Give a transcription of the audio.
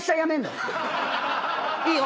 いいよ。